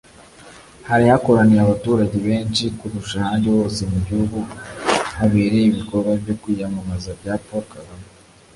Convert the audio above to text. hari hakoraniye abaturage benshi kurusha ahandi hose mu gihugu habereye ibikorwa byo kwiyamamaza bya Paul Kagame